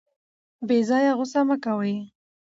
بې ځایه غوسه مه کوئ.